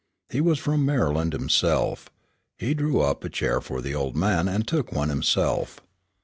He was from Maryland himself. He drew up a chair for the old man and took one himself.